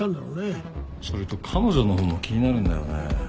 それと彼女の方も気になるんだよね。